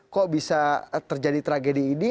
kok bisa terjadi tragedi ini